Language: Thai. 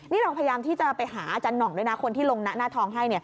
นี่เราพยายามที่จะไปหาอาจารย์หน่องด้วยนะคนที่ลงหน้าทองให้